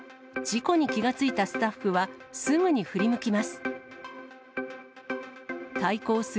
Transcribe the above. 事故に気がついたスタッフは、すぐに振り向きます。